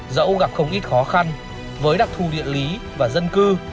dẫu gặp không ít khó khăn với đặc thù địa lý và dân cư